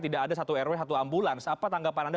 tidak ada satu rw satu ambulans apa tanggapan anda